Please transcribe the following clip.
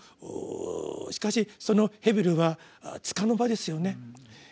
しかしその「ヘベル」は束の間ですよね。